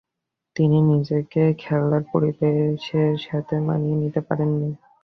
তিনি নিজেকে খেলার পরিবেশের সাথে মানিয়ে নিতে পারেননি।